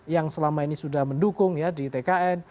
yang selama ini sudah mendukung ya di tkn